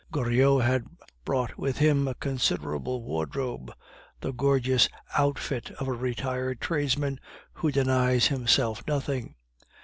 Goriot had brought with him a considerable wardrobe, the gorgeous outfit of a retired tradesman who denies himself nothing.